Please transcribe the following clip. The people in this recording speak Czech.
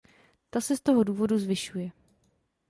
Ta se z toho důvodu zvyšuje.